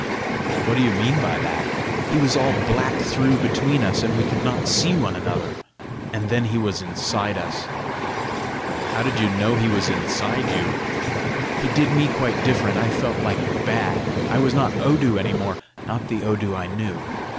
"What do you mean by that?" "He was all black through between us, and we could not see one another; and then he was inside us." "How did you know he was inside you?" "He did me quite different. I felt like bad. I was not Odu any more not the Odu I knew.